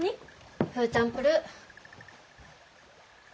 フーチャンプルー。